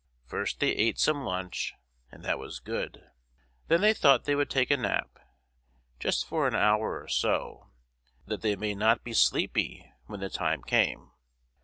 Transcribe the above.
First they ate some lunch, and that was good; then they thought they would take a nap, just for an hour or so, that they might not be sleepy when the time came.